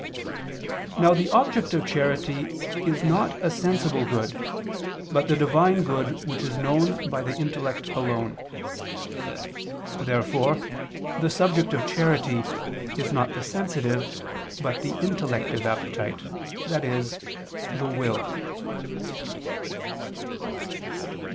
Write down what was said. Now the object of charity is not a sensible good, but the Divine good which is known by the intellect alone. Therefore the subject of charity is not the sensitive, but the intellective appetite, i.e. the will.